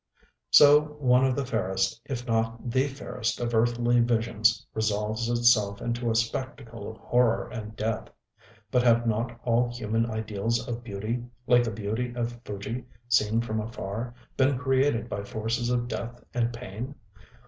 So one of the fairest, if not the fairest of earthly visions, resolves itself into a spectacle of horror and death.... But have not all human ideals of beauty, like the beauty of Fuji seen from afar, been created by forces of death and pain?